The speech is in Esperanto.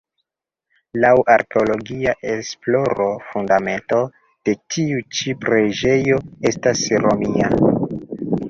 Laŭ arkeologia esploro fundamento de tiu ĉi preĝejo estas Romia.